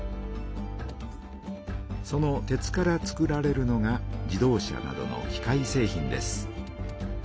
その鉄からつくられるのが自動車などの機械製品です。